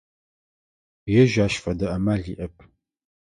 Ежь ащ фэдэ амал иӏэп.